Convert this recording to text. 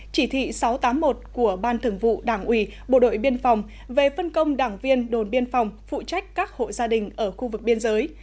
chỉ thị sáu trăm tám mươi một của ban thường vụ đảng ủy bộ đội biên phòng về phân công đảng viên đồn biên phòng phụ trách các hộ gia đình ở khu vực biên giới